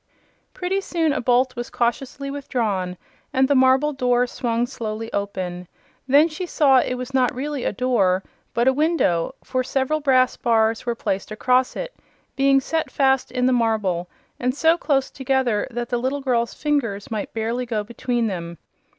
Pretty soon a bolt was cautiously withdrawn and the marble door swung slowly open. Then she saw it was not really a door, but a window, for several brass bars were placed across it, being set fast in the marble and so close together that the little girl's fingers might barely go between them.